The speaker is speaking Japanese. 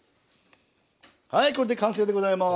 はいこれで完成でございます！